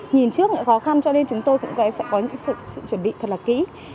nhìn trước những khó khăn cho nên chúng tôi cũng sẽ có những sự chuẩn bị thật là kỹ